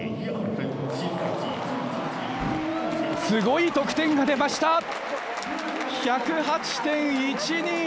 すごい得点が出ました！１０８．１２。